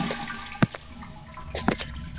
Ḥaseb-iyi akken i tella lewqama-w.